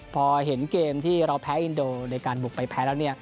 พอเห็นเกมที่เราแพ้อินโดในการบุกไปแพ้แล้วเนี่ย